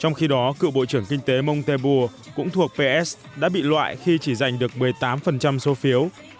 trong khi đó cựu bộ trưởng kinh tế monteburg cũng thuộc ps đã bị loại khi chỉ giành được một mươi tám số phiếu